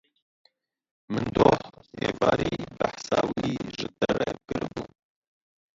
Min doh êvarî behsa wî ji te re kiribû.